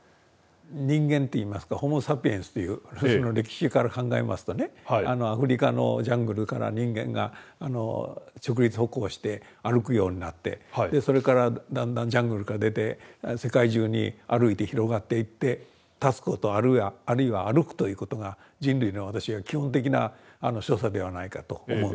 人間っていいますかホモサピエンスというその歴史から考えますとねアフリカのジャングルから人間が直立歩行して歩くようになってそれからだんだんジャングルから出て世界中に歩いて広がっていって立つことあるいは歩くということが人類の私は基本的な所作ではないかと思うんですけど。